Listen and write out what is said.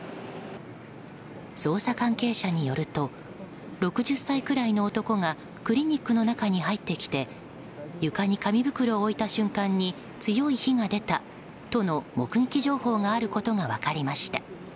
捜査関係者によると６０歳くらいの男がクリニックの中に入ってきて床に紙袋を置いた瞬間に強い火が出たとの目撃情報があることが分かりました。